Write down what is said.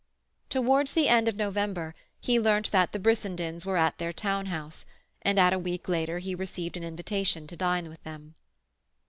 Towards the end of November he learnt that the Brissendens were at their town house, and a week later he received an invitation to dine with them.